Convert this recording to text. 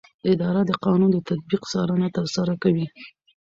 اداره د قانون د تطبیق څارنه ترسره کوي.